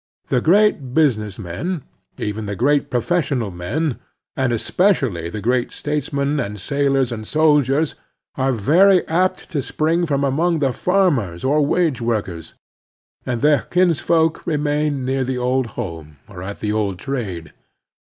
The great business men, even the great professional men, and especially the great statesmen and sailors and soldiers, are very apt to spring from among the farmers or wage work ers, and their kinsfolk remain near the old home or at the old trade.